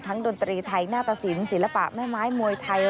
ดนตรีไทยหน้าตะสินศิลปะแม่ไม้มวยไทย